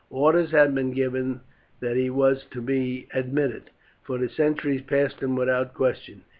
Orders had been given that he was to be admitted, for the sentries passed him without question.